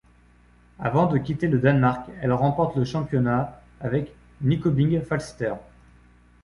Avant de quitter le Danemark, elle remporte le championnat avec Nykøbing Falster.